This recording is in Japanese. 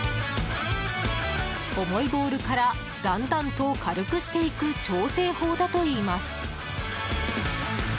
重いボールから、だんだんと軽くしていく調整法だといいます。